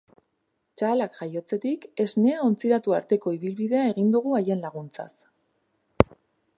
Txahalak jaiotzetik, esnea ontziratu arteko ibilbidea egin dugu haien laguntzaz.